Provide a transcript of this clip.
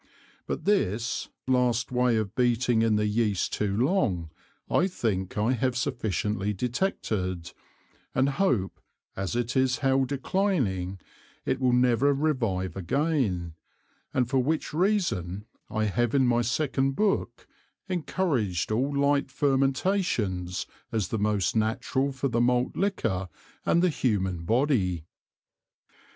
But this, last way of beating in the Yeast too long, I think I have sufficiently detected, and hope, as it is how declining, it will never revive again, and for which reason I have in my second Book encouraged all light fermentations, as the most natural for the Malt Liquor and the human Body.